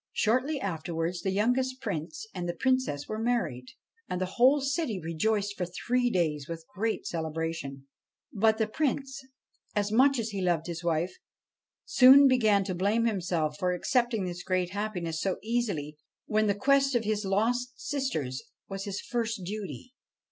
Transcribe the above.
Shortly afterwards, the youngest Prince and the Princess were married ; and the whole city rejoiced for three days with great celebrations. But the Prince, much as he loved his wife, soon began to blame himself for accepting this great happiness so easily when the quest of his lost sisters was his first duty.